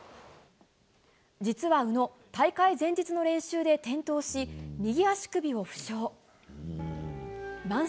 実は宇野、大会前日の練習で転倒し、右足首を負傷。